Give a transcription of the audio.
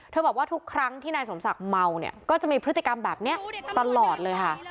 บอกว่าทุกครั้งที่นายสมศักดิ์เมาเนี่ยก็จะมีพฤติกรรมแบบนี้ตลอดเลยค่ะ